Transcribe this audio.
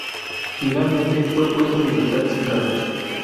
Finalmente, fue puesto en libertad sin cargos.